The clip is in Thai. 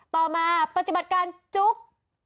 ต่อมาปฏิบัติการจุ๊ก